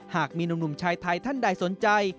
หากมีหนุ่มชายไทยท่านใดสนใจ